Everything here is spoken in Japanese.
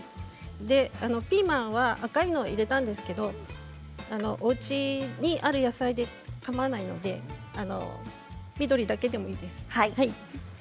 ピーマンは赤いのを入れたんですけどおうちにある野菜でかまわないので緑だけでもいいです。